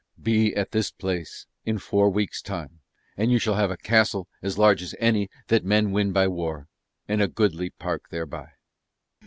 "Be at this place in four weeks' time, and you shall have a castle as large as any that men win by war, and a goodly park thereby."